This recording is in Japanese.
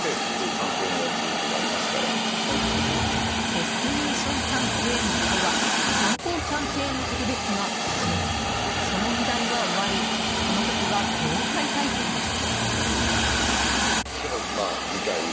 デスティネーションキャンペーンとは観光キャンペーンのことですがその議題は終わりこの時は防災対策です。